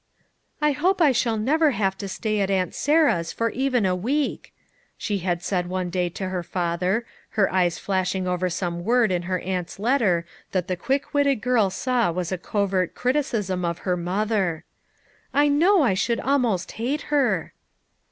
"I hope I shall never have to stay at Aunt Sarah's for even a week," she had said one FOUK MOTHERS AT CHAUTAUQUA 123 day to her father, her eyes flashing over some word in her aunt's letter that the quick witted girl saw was a covert criticism of her mother. "I know I should almost hate her."